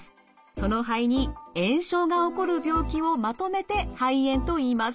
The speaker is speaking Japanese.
その肺に炎症が起こる病気をまとめて肺炎といいます。